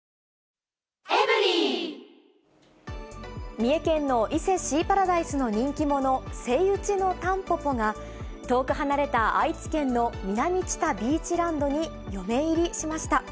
三重県の伊勢シーパラダイスの人気者、セイウチのタンポポが、遠く離れた愛知県の南知多ビーチランドに嫁入りしました。